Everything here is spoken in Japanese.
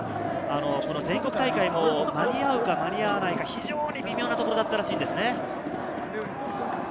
全国大会も間に合うか間に合わないか非常に微妙なところだったらしいです。